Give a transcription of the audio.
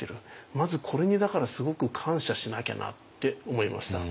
まずこれにだからすごく感謝しなきゃなって思いました。